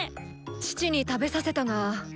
父に食べさせたが。